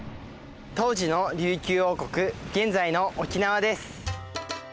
当時の琉球王国現在の沖縄です。